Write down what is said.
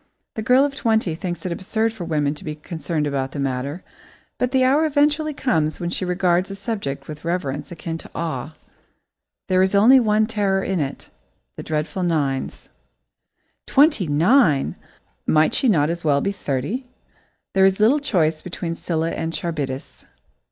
The girl of twenty thinks it absurd for women to be concerned about the matter, but the hour eventually comes when she regards the subject with reverence akin to awe. There is only one terror in it the dreadful nines. [Sidenote: Scylla and Charybdis] "Twenty nine!" Might she not as well be thirty? There is little choice between Scylla and Charybdis.